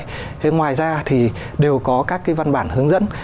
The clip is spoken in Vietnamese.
thế ngoài ra thì đều có các cái văn bản hướng dẫn